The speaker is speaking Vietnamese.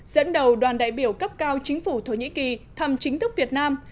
dẫn đầu đoàn đại biểu cấp cao chính phủ thổ nhĩ kỳ thăm chính thức việt nam